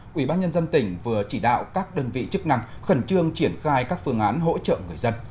quỹ ban nhân dân tỉnh vừa chỉ đạo các đơn vị chức năng khẩn trương triển khai các phương án hỗ trợ người dân